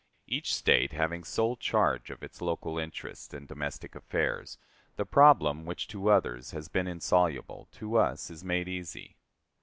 Each State having sole charge of its local interests and domestic affairs, the problem, which to others has been insoluble, to us is made easy.